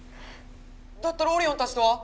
だったらオリオンたちとは？